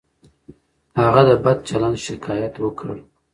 هغه د بد چلند شکایت وکړ.